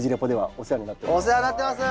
お世話になってます。